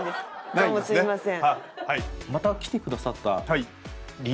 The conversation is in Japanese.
どうもすみません。